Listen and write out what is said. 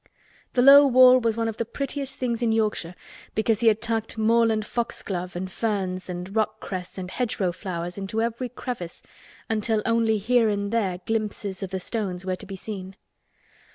The low wall was one of the prettiest things in Yorkshire because he had tucked moorland foxglove and ferns and rock cress and hedgerow flowers into every crevice until only here and there glimpses of the stones were to be seen.